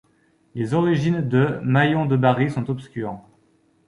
Les origines de Maion de Bari sont obscures.